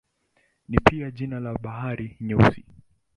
Ni pia jina la Bahari Nyeusi.